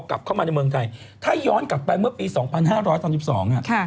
กลับเข้ามาในเมืองไทยถ้าย้อนกลับไปเมื่อปี๒๕๓๒อ่ะค่ะ